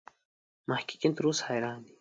محققین تر اوسه حیران دي.